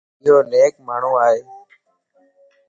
ايو نيڪ ماڻھو ائي.